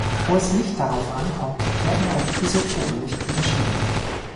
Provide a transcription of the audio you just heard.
Wo es nicht darauf ankommt, werden auch Isotope nicht unterschieden.